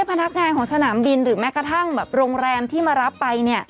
พนักงานของสนามบินหรือแม้กระทั่งแบบโรงแรมที่มารับไป